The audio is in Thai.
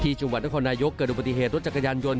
จังหวัดนครนายกเกิดอุบัติเหตุรถจักรยานยนต